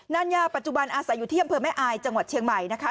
นานยาปัจจุบันอาศัยอยู่ที่อำเภอแม่อายจังหวัดเชียงใหม่นะคะ